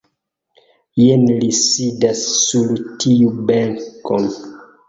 Jen li sidas sur tiu benko.